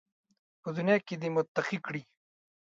په دنیا کې دې متقي کړي